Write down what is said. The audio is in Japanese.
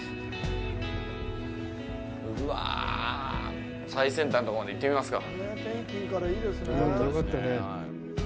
うわ、最先端のとこまで行ってみますか。